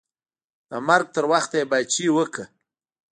د مرګ تر وخته یې پاچاهي وکړه.